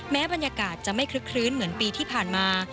บรรยากาศจะไม่คลึกคลื้นเหมือนปีที่ผ่านมา